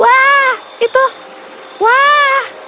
wah itu wah